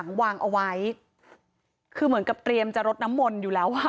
วางเอาไว้คือเหมือนกับเตรียมจะรดน้ำมนต์อยู่แล้วอ่ะ